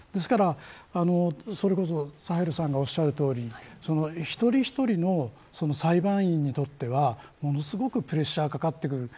ですからそれこそサヘルさんがおしゃるとおり一人一人の裁判員にとってはものすごくプレッシャーがかかってくる。